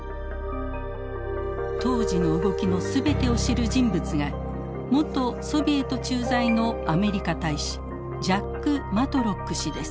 当時の動きの全てを知る人物が元ソビエト駐在のアメリカ大使ジャック・マトロック氏です。